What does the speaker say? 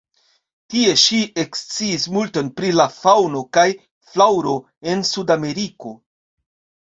Tie ŝi eksciis multon pri la faŭno kaj flaŭro en Sudameriko.